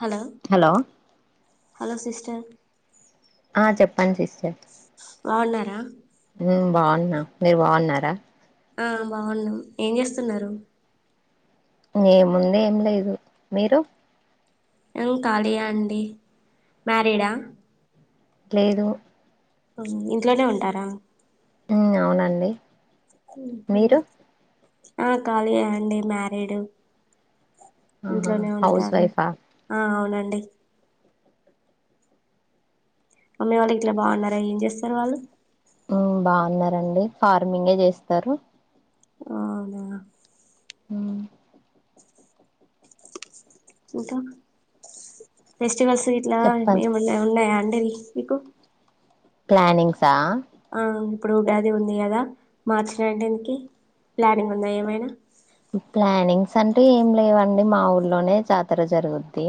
Hello hello sister ఆ చెప్ పనిచేస్తే అవున్నారా బాగున్నా మీరు బాగున్నారా ఆ బాగున్నా ఏం చేస్తున్నారు మే ముందే ఏం లేదు మీరు కాాలియా అండి మ్యారిడా లేదు ఇంట్లోనే ఉంటారా అవునండి ఊ హు మీరు ఆ ఖాళీయా అండి మ్యారీడ్ ఆహా ఇంట్లోనే హౌస్ ఉంటాను వైఫా ఆ అవునండి మ్ అమ్మాయి వాళ్లు గిట్లా బాగున్నారా ఏం చేస్తారు వాళ్ళు బాగున్నారంండి ఫార్మింగే చేస్తారు అవును హ ఇంకా పె ట్ చెప్పండి ఉన్నా అంట అరి మీకు ప్లనిింగ్సా ఆ ఇప్పుడు ఉగాది ఉంది కదా మార్చ్ నైంటీన్ కి ప్లానింగ్ ఉన్నా ఏమైనా ప్లానింగ్స్ అంటే ఏం లేవండి మా ఊర్లోనే జాతర జరుగుద్ది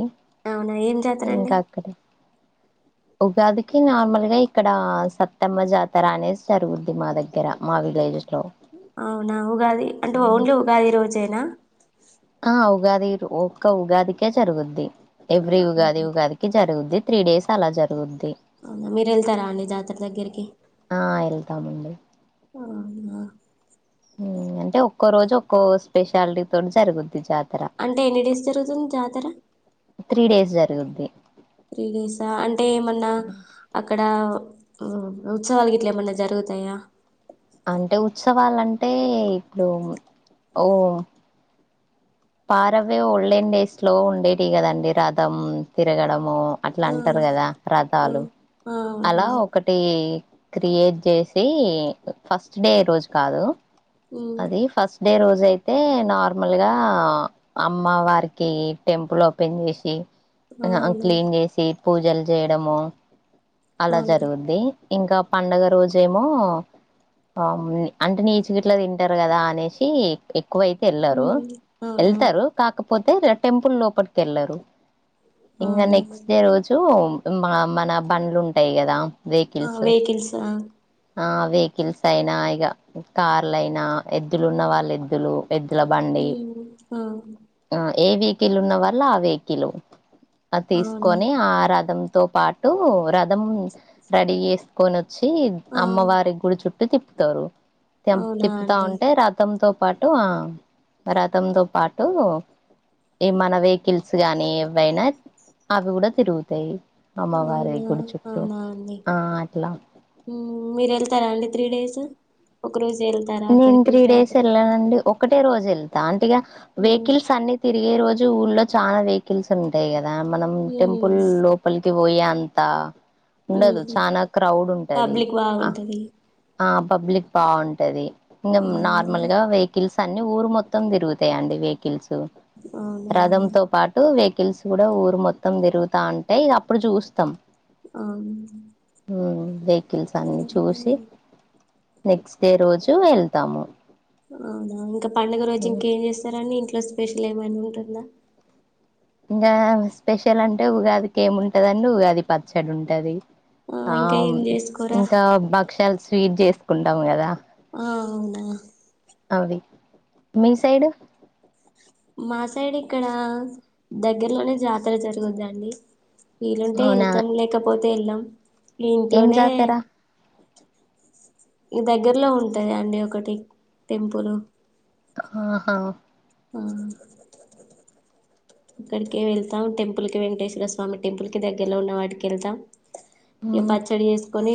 అవునా ఏం చేతారంండి ఇంకా అక్కడే ఉగాదికి నార్మల్ గా ఇక్కడ సత్తమ్మ జాతర అనేసి జరుగుద్ది మా దగ్గర మా విలేజ్ లో అవునా ఉగాది అంటే మ్మ్ ఓన్లీ ఉగాది రోజైనా ఆ ఉగాది ఒక్క ఉగాదికే జరుగుద్ది ఎవ్రి ఉగాది అవునా ఉగాదికి జరుగుది త్రీ డస్ అలా జత మీరేళ్తారా అండి జాతర దగ్గరికి ఆ అళ్తాము ఉండ అవునా ఉమ్ అంటే ఒక్కో రోజు ఒక్కో స్పెషాలిటీ తోనీ జరుగుద్ది జాత అంటే ఎన్నిడేస్ జరుగుతుంద్‌ జాతర అ ఫ్రీగసా అంట అంటే ఏమన్నా అక్కడ ఉత్సవాలు గట్లామన్నా జరుగుతాయా అంటే ఉత్సవాలంటే ఇప్పుడు ఓ పారవ్య ఒళ్ళండేస్లో ఉండేటి కదండి రథం తిరగడం ఊ అట్లా ఆ అంటారు కదా ఆ రథాలు ఆ అలా అవునండి ఒకటి క్రియేట్ చేసి ఫస్ట్ డే రోజు కాదు ఉమ్ అది ఫస్‌ డే రోజు అయితే నార్మల్ గా అమ్మ వారికి టెంపుల్ ఓపెన్ చేశి ఆ, అ అవునా క్లీన్ చేసి పూజలు చేయడము అలా అవును జరుగుద్ది ఇంకా పండుగ రోజేమో అంటే నీచి గట్లా తింటారు కదా అనేసి క్కువైతే ఎల్రు ఉమ్ అవునా వెళ్తారు కా కాకపోతే టెంపుల్ లోపటిక వెళ్లారు ఇంకా అవునా నెక్స్ట్ డే రోజు మా మన బండ్లు ఉంటాయి కదా ఆ వెహికల్స్ వెహికల్స్ ఆ వెహికల్స్ అయినా ఇక కార్లయినా ఎద్దులు ఉన్న వాళ్ళ ఎద్దులు పెద్దల బండి ఉమ్ ఆ ఆ ఏ వెహికల్ ఉన్న వాళ్ళ ఆ వెహకిల్ అవునా తీసుకొని ఆ ఆరాధం తో పాటు రథం రెడీ చేసుకని చ్చి ఆ అమ్మవారి గుడి చుట్టూ తిప్ప తరు తెం అవునా తిప్పుతా అండి ఉంటే రతంతో పాటు రా తనతో పాటు ఈ మన వెహికల్స్ గానీ ఏవైనా అవి కూడా తిరుగుతాయి అమ్మవారి అవునా గుడి చుట్టూ అవునా అండి ఆ అట్లా మీరు వెళ్తారా అండి త్రీ డేస్ ఒక రోజు వెళ్తారా నేను అక్కడికి త్రీ డేస్ జాతర వెళ్ళానండి ఒక ఒకటే రోజు వె దా అంటగా హ్మ్ వెకిల్ససన్ని తి తిరిగే రోజు ఊళ్లో చాలా వెహికల్స్ ఉంటాయి కదా ద మనం టెంపుల్ హ్మ్ లోపలికి పోయి అంత ఉండదు ఊహు చనాా క్రౌడ్ ఉంటది పబ్లిక్ ఆ బాగుంటది ఆ పబ్లిక్ బాగుంటది ఇంకా అవునా నార్మల్ గా వెహికిల్స్ అన్నీ ఊరు మొత్తం తిరుగుతాయి అడి వెహికకిల్స్ అవునా అండి రథంంతో పాటు వక్ కెల్సు కూడా ఊరు మొత్తం తిరుగుతా అంటే ఇక అప్పుడు చూస్తాం ఆ వెహికల్స్ అన్ని చూసి నెక్స్ట్ డే రోజు వెళ్తాము అవునా ఇంకా పండుగ రోజు ఇంకేం చేస్తారని ఇంకా ప్ల స్పెషల్ ఏమంటందా ఇంకా స్పెషల్ అంటే ఉగాదికి ఏముంటదండి ఉగాది పచ్చడి ఉంటది ఆ ఇంకా ఏం చేసుకోరా ఇంకా భక్షలు స్వీట్ చేసుకుంటాం కదా ఆ అవునా అవి మీ సైడ్ మా సైడ్ ఇక్కడ దగ్గరలోనే జాతర జరుగుందండి వీలుంటే అవునా వెళ్తాం లేకపోతే బెల్లం ఈ ఏం ఇంట్లోనే జాతర ఇ దగ్గరలో ఉంటాయా అండి ఒకటి టెంపులు ఆహా ఆ అక్కడికి వెళ్తాం టెంపుల్ కి వెంకటేశ్వర స్వామి టెంపుల్ కి దగ్గరలో ఉన్న వాటికెళ్తా ఇ మ్మ్ పచ్చడి చేసుకొని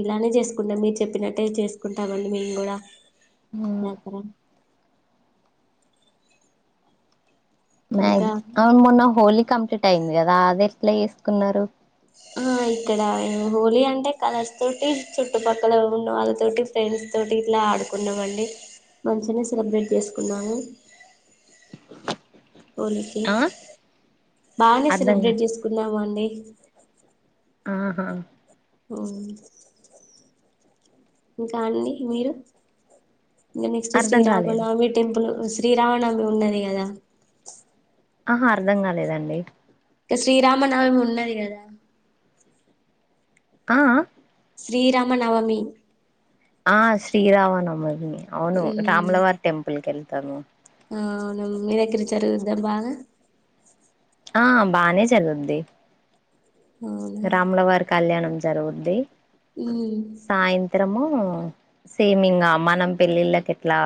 ఇలానే చేసుకుంటాం మీరు చెప్పినట్టే చేసుకుంటామండి మేము కూడా మ్మ్ [unintelligible] ఇంకా అ మొన్న హోలీ కంప్లీట్ అయింది కదా అది ఎట్లా చేసుకున్నారు ఆ ఇక్కడ హోలీ అంటే కలర్స్ తోటి చుట్టుపక్కల ఉన్నవాళ్ళతోటి ఫ్రెండ్స్ తోటి ఇట్లా ఆడుకున్నామండి. మంచిగా సెలబ్రేట్ చేసుకున్నాము. హోలీకి ఆ బానే అర్ధం కాలే సెలబ్రేట్ చేసుకున్నాము అండి ఆహా ఇంకా అండి మీరు ఇంక నెక్స్ట్ అర్ధం కాలేదు శ్రీరామనమి టెంపుల్ శ్రీరామనమి ఉన్నది కదా ఆహా అర్ధం కాలేదండి ఇక శ్రీరామనవమి ఉన్నది కదా ఆ ఆ శ్రీరామనవమి ఆ శ్రీరామనవమి అవును రాములవారి టెంపుల్ కెళ్ తను ఆ అవున మీ దగ్గరా జరుగుద బాగా ఆ బానే జరుగుదీ అవునా రాములవారి కళ్యాణం జరుగుద్ది మ్ సాయంత్రము సేమింగా మనం పెళ్ళిళ్ళకి ఎట్లా